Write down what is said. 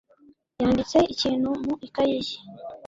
Yanditse ikintu mu ikaye ye.